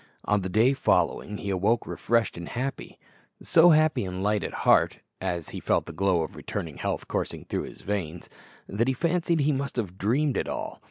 On the day following he awoke refreshed and happy so happy and light at heart, as he felt the glow of returning health coursing through his veins, that he fancied he must have dreamed it all.